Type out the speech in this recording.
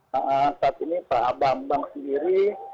nah saat ini pak bambang sendiri